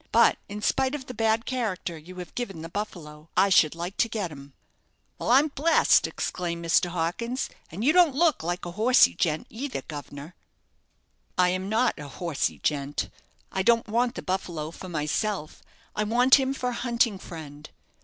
"But in spite of the bad character you have given the 'Buffalo' I should like to get him." "Well, I'm blest," exclaimed Mr. Hawkins; "and you don't look like a hossey gent either, guv'nor." "I am not a 'horsey gent.' I don't want the 'Buffalo' for myself. I want him for a hunting friend.